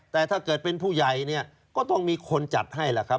แต่ถ้าเกิดเป็นผู้ใหญ่เนี่ยก็ต้องมีคนจัดให้ล่ะครับ